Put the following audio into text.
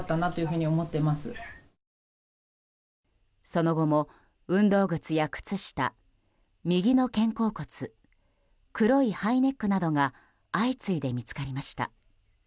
その後も運動靴や靴下右の肩甲骨黒いハイネックなどが相次いで見つかりました。